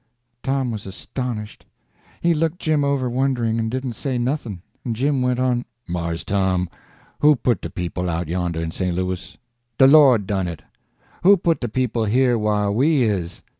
Tom was astonished. He looked Jim over wondering, and didn't say nothing, and Jim went on: "Mars Tom, who put de people out yonder in St. Louis? De Lord done it. Who put de people here whar we is?